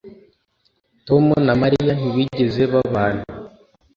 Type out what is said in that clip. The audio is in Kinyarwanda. tom na mariya ntibigeze babana